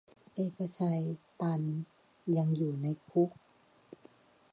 เอกชัย ตัน ยังอยู่ในคุก